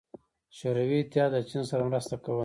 شوروي اتحاد له چین سره مرسته کوله.